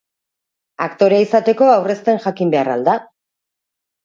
Aktorea izateko aurrezten jakin behar al da?